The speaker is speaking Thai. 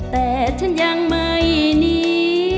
แต่ฉันยังไม่หนี